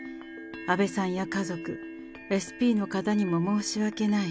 安倍さんや家族、ＳＰの方にも申し訳ない。